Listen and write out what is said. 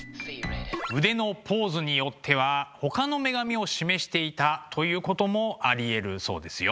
腕のポーズによってはほかの女神を示していたということもありえるそうですよ。